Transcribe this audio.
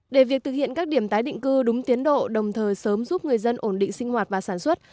để việc thực hiện các điểm tái định cư đúng tiến độ đồng thời sớm giúp người dân ổn định sinh hoạt và sản xuất